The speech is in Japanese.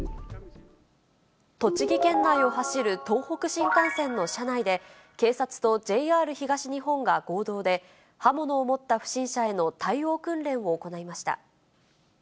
栃木県内を走る東北新幹線の車内で、警察とＪＲ東日本が合同で、刃物を持った不審者への対応訓練を行いました。